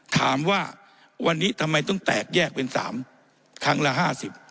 ถามว่าวันนี้ทำไมต้องแตกแยกเป็น๓ครั้งละห้าสิบ